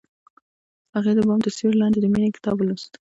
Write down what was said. هغې د بام تر سیوري لاندې د مینې کتاب ولوست.